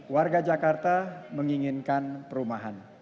warga jakarta menginginkan perumahan